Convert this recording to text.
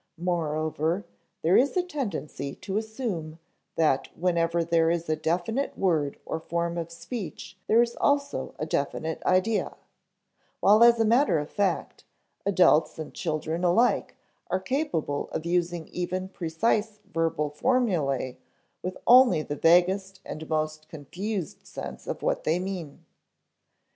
Moreover, there is a tendency to assume that whenever there is a definite word or form of speech there is also a definite idea; while, as a matter of fact, adults and children alike are capable of using even precise verbal formulæ with only the vaguest and most confused sense of what they mean.